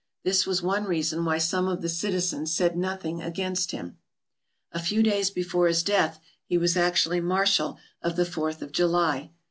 This was one reason why some of the citizens said nothing against him. "A few days before his death he was actually mar shal of the Fourth of July.